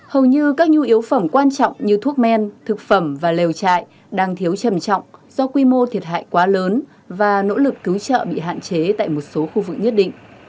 hầu như các nhu yếu phẩm quan trọng như thuốc men thực phẩm và lều trại đang thiếu trầm trọng do quy mô thiệt hại quá lớn và nỗ lực cứu trợ bị hạn chế tại một số khu vực nhất định